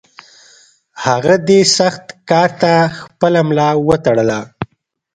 هغه دې سخت کار ته خپله ملا وتړله.